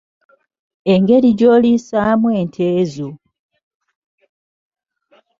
Engeri gy’oliisaamu ente zo.